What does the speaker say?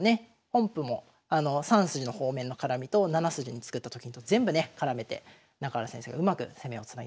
本譜も３筋の方面の絡みと７筋に作ったと金と全部ね絡めて中原先生がうまく攻めをつなげましたね。